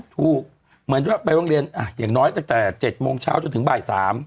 เหมือนด้วยไปโรงเรียนอย่างน้อยตั้งแต่๗โมงเช้าจนถึงบ่าย๓